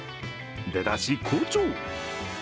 出だし、好調！